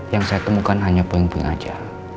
yang saya temukan hanya puing puing saja